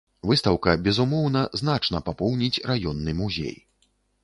Выстаўка безумоўна значна папоўніць раённы музей.